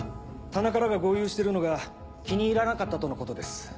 田中らが豪遊してるのが気に入らなかったとのことです。